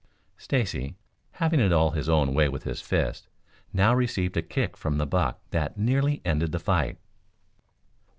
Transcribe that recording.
Stacy, having it all his own way with his fists, now received a kick from the buck that nearly ended the fight.